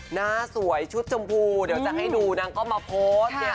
หน้าสวยชุดจมพูเดี๋ยวจะให้ดูนะก็มาโพสต์